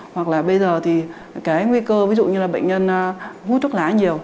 hoặc là bây giờ thì cái nguy cơ ví dụ như là bệnh nhân hút thuốc lá nhiều